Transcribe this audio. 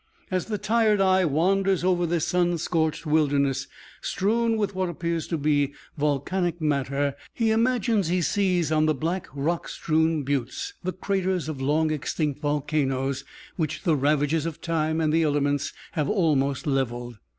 As the tired eye wanders over this sun scorched wilderness, strewn with what appears to be volcanic matter, he imagines he sees on the black, rock strewn butes the craters of long extinct volcanos, which the ravages of time and the elements have almost leveled.